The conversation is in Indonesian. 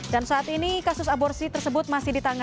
dan saat ini kasus aborsi tersebut masih ditangkap